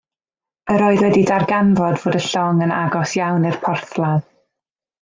Yr oedd wedi darganfod fod y llong yn agos iawn i'r porthladd.